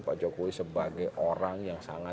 pak jokowi sebagai orang yang sangat